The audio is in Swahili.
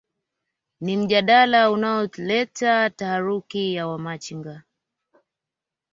ni mjadala unaoleta taharuki ya Wamachinga